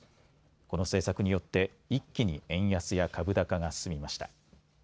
この政策によって一気に円安や株高が進みました。